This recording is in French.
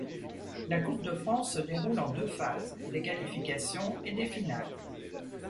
La coupe de France se déroule en deux phases: des qualifications et des finales.